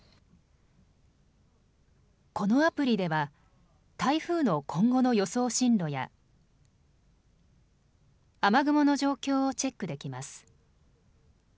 このアプリでは台風の今後の予想進路や雨雲の状況をチェックできます。